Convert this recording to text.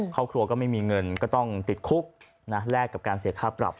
ครอบครัวก็ไม่มีเงินก็ต้องติดคุกแลกกับการเสียค่าปรับ